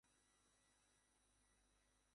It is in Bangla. কামরুজ্জামান বিভিন্ন পেশাজীবী সংগঠনের সক্রিয় সদস্য।